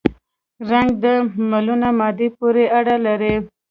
رنګ د ملونه مادې پورې اړه لري.